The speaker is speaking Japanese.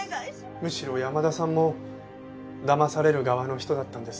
むしろ山田さんも騙される側の人だったんです。